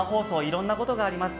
でも生放送いろんなことがあります。